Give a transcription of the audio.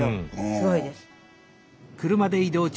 すごいです。